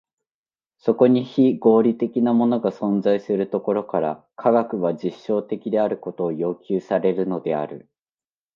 そこに非合理的なものが存在するところから、科学は実証的であることを要求されるのである。